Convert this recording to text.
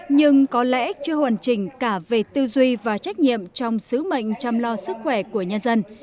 nhưng có lẽ chưa hoàn chỉnh cả về tư duy và trách nhiệm trong sứ mệnh chăm lo sức khỏe của nhân dân